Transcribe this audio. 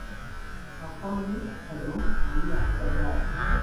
Akamuli kano ani akatadde wao?